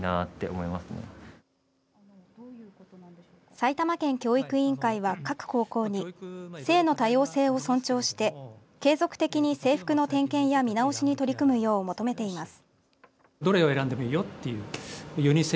埼玉県教育委員会は各高校に、性の多様性を尊重して継続的に制服の点検や見直しに取り組むよう求めています。